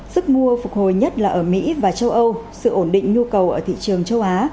sức mua phục hồi nhất là ở mỹ và châu âu sự ổn định nhu cầu ở thị trường châu á